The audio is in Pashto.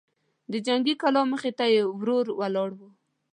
د جنګي کلا مخې ته يې ورور ولاړ و.